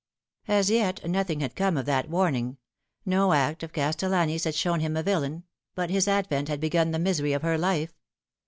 As yet nothing had come of that warning : no act of Castellani's had shown him a villain ; but his advent had begun the misery of her life.